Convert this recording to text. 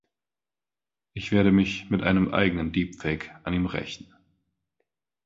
Ich werde mich mit einem eigenen Deepfake an ihm rächen.